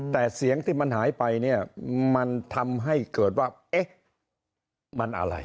แต่เสียงที่มันหายไปเนี่ยมันทำให้เกิดว่าเอ๊ะมันอะไร